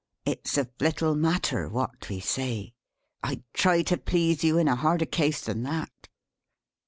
It's of little matter what we say. I'd try to please you in a harder case than that."